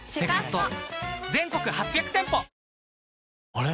あれ？